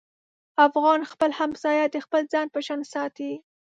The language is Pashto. افغان خپل همسایه د خپل ځان په شان ساتي.